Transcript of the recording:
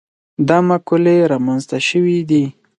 دا مقولې رامنځته شوي دي.